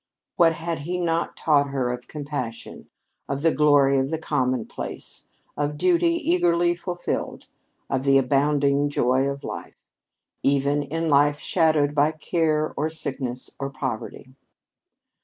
What had he not taught her of compassion, of "the glory of the commonplace," of duty eagerly fulfilled, of the abounding joy of life even in life shadowed by care or sickness or poverty?